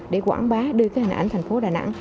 để quảng bá đưa cái hình ảnh thành phố đà nẵng